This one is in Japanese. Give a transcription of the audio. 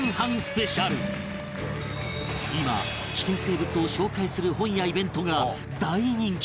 今危険生物を紹介する本やイベントが大人気